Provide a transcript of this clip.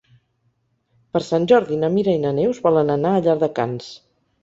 Per Sant Jordi na Mira i na Neus volen anar a Llardecans.